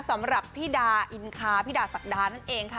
สำหรับพี่ดาอินคาพี่ดาศักดานั่นเองค่ะ